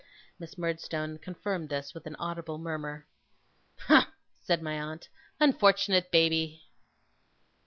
Miss Murdstone confirmed this with an audible murmur. 'Humph!' said my aunt. 'Unfortunate baby!